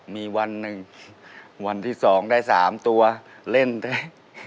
มีวันหนึ่งวันที่๒ได้๓ตัวเล่นได้